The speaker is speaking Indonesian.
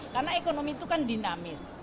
karena ekonomi itu kan dinamis